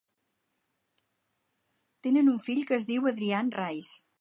Tenen un fill que es diu Adrian Raice.